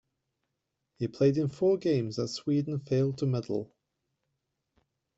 He played in four games as Sweden failed to medal.